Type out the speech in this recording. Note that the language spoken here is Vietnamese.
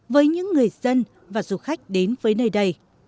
với những người dân và du khách đến với nơi đây